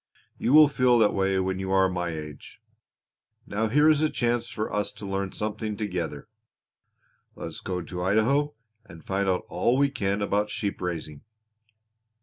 You will feel that way when you are my age. Now here is a chance for us to learn something together. Let's go to Idaho and find out all we can about sheep raising."